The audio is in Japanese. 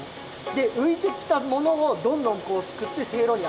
でういてきたものをどんどんすくってせいろにあけてく。